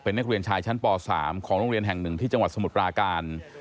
นักเรียนชายชั้นป๓ของโรงเรียนแห่งหนึ่งที่จังหวัดสมุทรปราการ